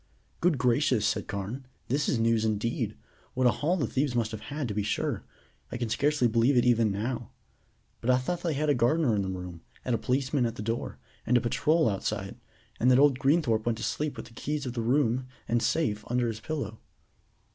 "Good gracious!" said Carne. "This is news indeed. What a haul the thieves must have had, to be sure. I can scarcely believe it even now. But I thought they had a gardener in the room, a policeman at the door, and a patrol outside, and that old Greenthorpe went to sleep with the keys of the room and safe under his pillow?"